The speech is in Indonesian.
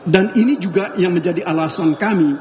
dan ini juga yang menjadi alasan kami